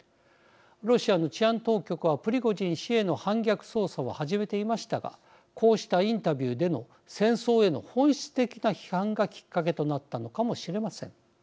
ロシアの治安当局はプリゴジン氏への反逆捜査を始めていましたがこうしたインタビューでの戦争への本質的な批判がきっかけとなったのかもしれません。